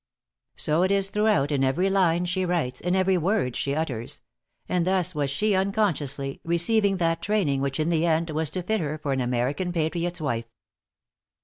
So it is throughout, in every line she writes, in every word she utters; and thus was she, unconsciously, receiving that training which in the end was to fit her for an American patriot's wife.